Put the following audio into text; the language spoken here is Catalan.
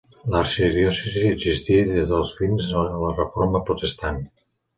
L'arxidiòcesi existí des del fins a la reforma protestant.